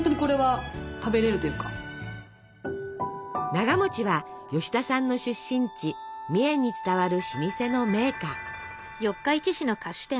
ながは吉田さんの出身地三重に伝わる老舗の銘菓。